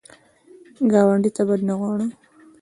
ګاونډي ته بد نه غواړه